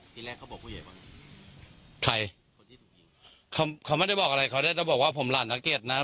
ทีแรกเขาบอกผู้ใหญ่ว่าใครเขาเขาไม่ได้บอกอะไรเขาได้บอกว่าผมหลั่นนักเกียจนั้น